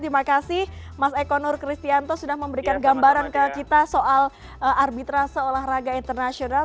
terima kasih mas eko nur kristianto sudah memberikan gambaran ke kita soal arbitrase olahraga internasional